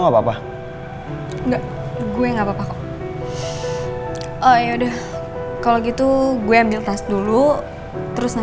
bisa gak kita jalan